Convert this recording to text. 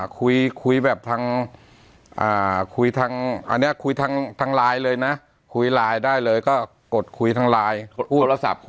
คุยแบบทางอันนี้คุยทางไลน์เลยนะคุยไลน์ได้เลยก็กดคุยทางไลน์